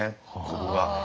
ここが。